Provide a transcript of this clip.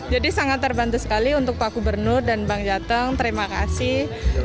jadi sangat terbantu sekali untuk pak gubernur dan bang jateng terima kasih